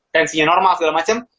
tensinya normal segala macem